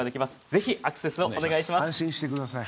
ぜひアクセスをお願いします。